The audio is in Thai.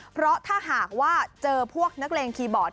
เพราะถ้าหากว่าเจอพวกนักเลงคีย์บอร์ด